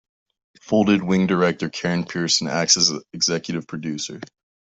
Folded Wing director Karen Pearson acts as executive producer.